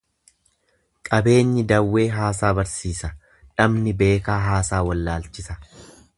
Qabeenyi dawwee haasaa barsiisa, dhabni beekaa haasaa wallaalchisa.